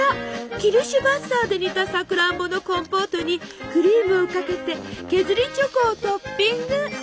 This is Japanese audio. キルシュヴァッサーで煮たさくらんぼのコンポートにクリームをかけて削りチョコをトッピング。